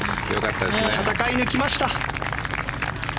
戦い抜きました。